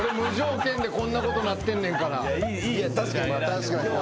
確かにな。